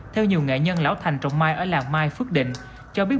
theo nhiều nghệ nhân lão thành trồng mai ở làng mai phước định cho biết